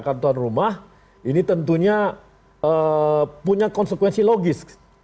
karena ini tentunya punya konsekuensi logis